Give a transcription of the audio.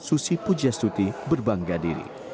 susi pujastuti berbangga diri